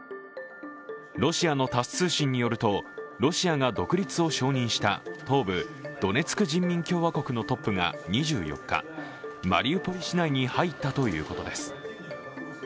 ロシアのタス通信によるとロシアが独立を承認した東部ドネツク人民共和国のトップが２４日マリウポリ市内に入ったということです。